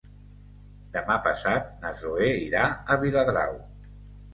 Demà passat na Zoè irà a Viladrau.